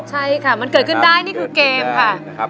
ใช่ค่ะมันเกิดขึ้นได้นี่คือเกมค่ะ